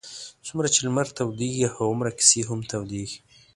څومره چې لمر تودېږي هغومره کیسې هم تودېږي.